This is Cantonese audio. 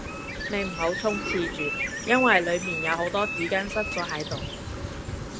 你唔好衝廁住，因為裏面有好多紙巾塞住咗喺度